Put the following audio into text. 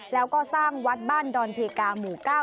แล้วก็สร้างวัดบ้านดอนเพกาหมู่๙